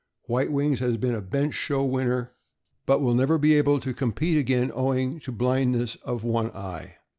White Wings has been a bench show winner, but will never be able to compete again, owing to blindness of one eye.